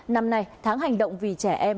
năm nay tháng hành động vì trẻ em